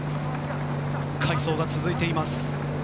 快走が続いています。